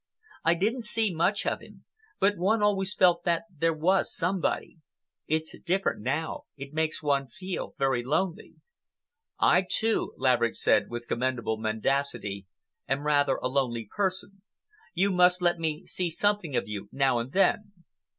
I didn't see much of him, but one felt always that there was somebody. It's different now. It makes one feel very lonely." "I, too," Laverick said, with commendable mendacity, "am rather a lonely person. You must let me see something of you now and then."